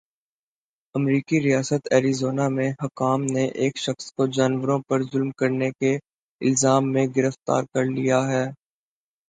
امریکی ریاست ایریزونا میں حکام نے ایک شخص کو جانوروں پر ظلم کرنے کے الزام میں گرفتار کرلیا ہے۔